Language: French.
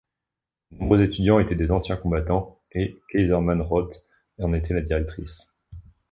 De nombreux étudiants étaient des anciens combattants et Caiserman-Roth en était la directrice.